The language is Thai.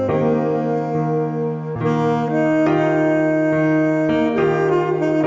นี่ไงนมหมู